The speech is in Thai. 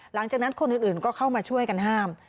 หลังจากนั้นคนอื่นก็เข้ามาช่วยกันห้าม